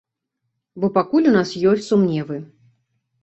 Бо пакуль у нас ёсць сумневы.